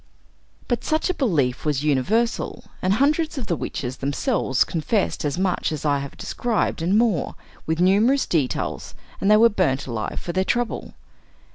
But such a belief was universal, and hundreds of the witches themselves confessed as much as I have described, and more, with numerous details, and they were burnt alive for their trouble.